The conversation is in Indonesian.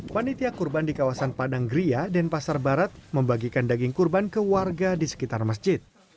panitia kurban di kawasan padang gria denpasar barat membagikan daging kurban ke warga di sekitar masjid